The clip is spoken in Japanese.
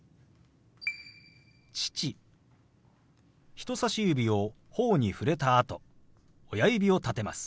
人さし指をほおに触れたあと親指を立てます。